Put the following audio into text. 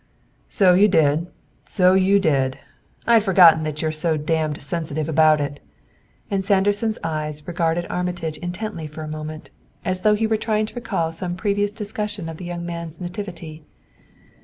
"So you did; so you did! I'd forgotten that you're so damned sensitive about it;" and Sanderson's eyes regarded Armitage intently for a moment, as though he were trying to recall some previous discussion of the young man's nativity.